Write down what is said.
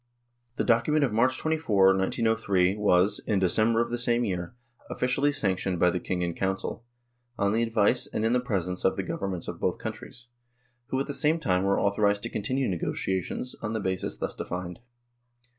The document of March 24, 1903, was, in Decem ber of the same year, officially sanctioned by the King in Council, on the advice and in the presence of the Governments of both countries, who at the same time were authorised to continue negotiations on the basis thus defined.